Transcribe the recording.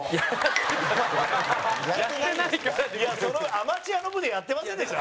アマチュアの部でやってませんでした？